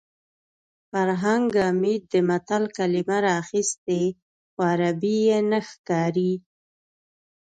فرهنګ عمید د متل کلمه راخیستې خو عربي نه ښکاري